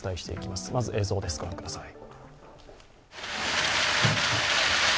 まず映像です、御覧ください。